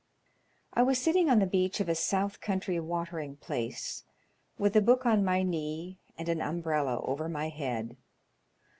I WAS sitting on the beach of a South coantry watering place, with a book on my knee and an umbrella over my head.